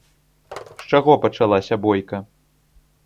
З чаго пачалася бойка?